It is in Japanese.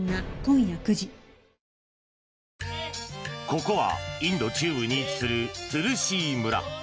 ここはインド中部に位置するトゥルシー村。